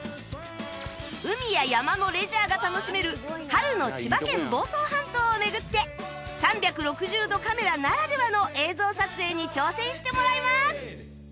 海や山のレジャーが楽しめる春の千葉県房総半島を巡って３６０度カメラならではの映像撮影に挑戦してもらいます